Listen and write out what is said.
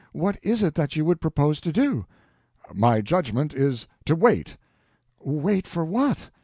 —what is it that you would propose to do?" "My judgment is to wait." "Wait for what?"